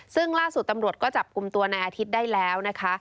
ซึ่งล่าสุดตำรวจก็จับกลุ่มตัวนายอาทิตย์ได้แล้วนะคะ